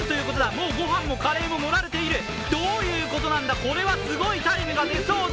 もう御飯もカレーももられている、どういうことなんだ、これはすごいタイムが出そうだ。